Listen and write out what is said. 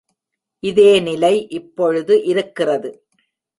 இதே நிலை இப்பொழுது இருக்கிறது.